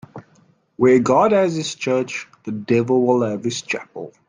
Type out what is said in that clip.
Where God has his church, the devil will have his chapel.